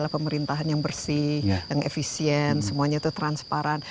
pemerintahan yang bersih yang efisien semuanya itu transparan